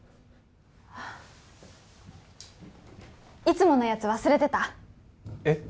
いつものやつ忘れてたえっ？